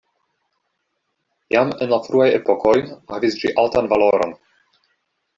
Jam en la fruaj epokoj havis ĝi altan valoron.